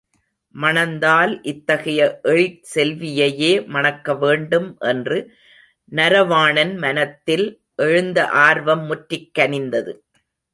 மணந்தால் இத்தகைய எழிற் செல்வியையே மணக்கவேண்டும் என்று நரவாணன் மனத்தில் எழுந்த ஆர்வம் முற்றிக் கனிந்தது.